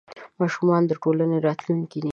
ماشومان د ټولنې راتلونکې دي.